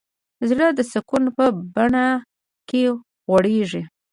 زړه د سکون په بڼ کې غوړېږي.